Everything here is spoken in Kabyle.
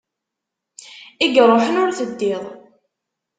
I iṛuḥen, ur teddiḍ!